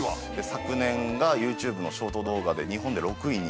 昨年がＹｏｕＴｕｂｅのショート動画で日本で６位に。